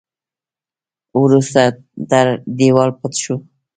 وروسته تر دېوال پټ شو.